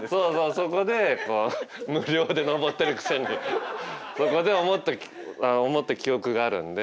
そこでこう無料で上ってるくせにそこで思った記憶があるんで。